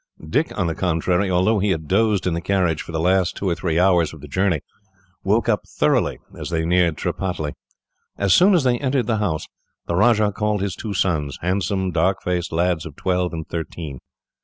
Dick, on the contrary, although he had dozed in the carriage for the last two or three hours of the journey, woke up thoroughly as they neared Tripataly. As soon as they entered the house, the Rajah called his two sons, handsome, dark faced lads of twelve and thirteen.